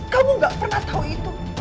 kamu gak pernah tahu itu